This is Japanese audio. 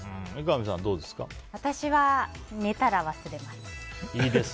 私は寝たら忘れます。